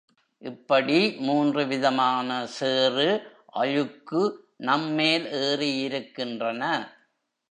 இப்படி மூன்று விதமான சேறு, அழுக்கு நம்மேல் ஏறியிருக்கின்றன.